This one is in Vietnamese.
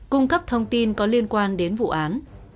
cung cấp thông tin có liên quan đến vụ án